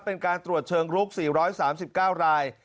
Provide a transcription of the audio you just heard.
เป็นการตรวจเชิงลุก๔๓๙ราย